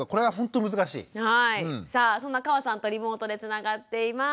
さあそんな河さんとリモートでつながっています。